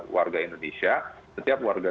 warga indonesia setiap warga